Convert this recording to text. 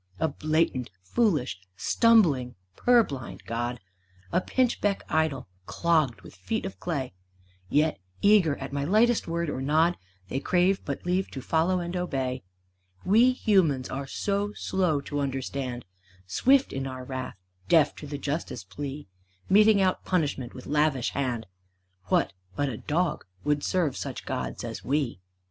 A blatant, foolish, stumbling, purblind god, A pinchbeck idol, clogged with feet of clay! Yet, eager at my lightest word or nod, They crave but leave to follow and obey. We humans are so slow to understand! Swift in our wrath, deaf to the justice plea, Meting out punishment with lavish hand! What, but a dog, would serve such gods as we?